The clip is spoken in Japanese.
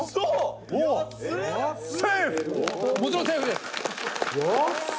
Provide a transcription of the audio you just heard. もちろんセーフです。